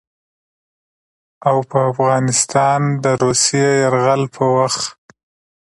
او په افغانستان د روسي يرغل په وخت